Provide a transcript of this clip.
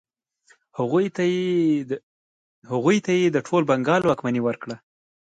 هغوی ته یې د ټول بنګال واکمني ورکړه.